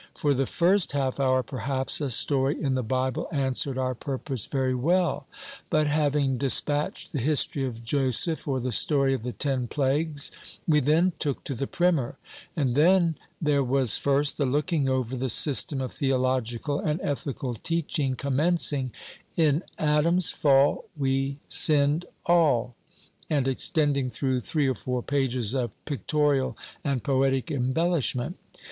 For the first half hour, perhaps, a story in the Bible answered our purpose very well; but, having despatched the history of Joseph, or the story of the ten plagues, we then took to the Primer: and then there was, first, the looking over the system of theological and ethical teaching, commencing, "In Adam's fall we sinned all," and extending through three or four pages of pictorial and poetic embellishment.